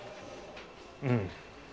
うん。